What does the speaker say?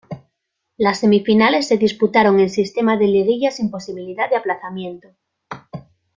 Las semifinales se disputaron en sistema de liguilla sin posibilidad de aplazamiento.